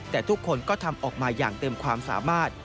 แต่ทุกคนก็ทำออกมาอย่างเต็มความสามารถ